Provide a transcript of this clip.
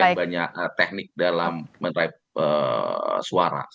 sekian banyak teknik dalam men type suara